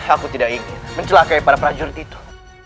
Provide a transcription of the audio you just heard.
aku tidak ingin mencelakai para prajurit itu